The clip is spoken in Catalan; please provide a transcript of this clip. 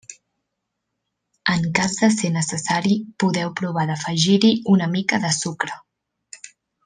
En cas de ser necessari, podeu provar d'afegir-hi una mica de sucre.